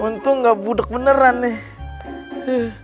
untung gak budeg beneran nih